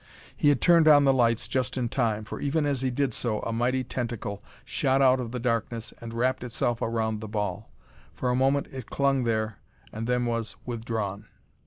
He had turned on the lights just in time, for even as he did so a mighty tentacle shot out of the darkness and wrapped itself around the ball. For a moment it clung there and then was withdrawn.